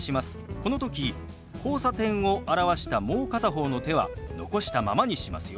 この時「交差点」を表したもう片方の手は残したままにしますよ。